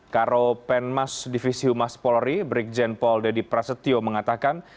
karo penmas divisi humas polri brigjen paul deddy prasetyo mengatakan